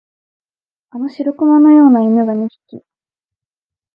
あの白熊のような犬が二匹、